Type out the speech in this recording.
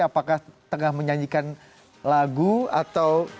apakah tengah menyanyikan lagu atau